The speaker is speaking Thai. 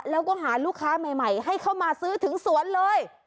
แล้วก็หาลูกค้าใหม่ให้เข้ามาซื้อถึงสวนเลย